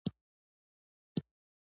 هغه غزل حماسي ترانې او نعتونه وویل